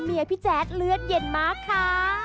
พี่แจ๊ดเลือดเย็นมากค่ะ